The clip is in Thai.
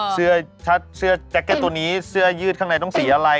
เสื้อแจ๊กแก๊สตัวนี้เสื้อยืดข้างในต้องสีอะไร